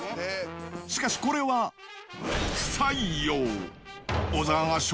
しかし、これは不採用。